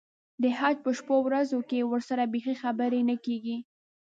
د حج په شپو ورځو کې ورسره بیخي خبرې نه کېږي.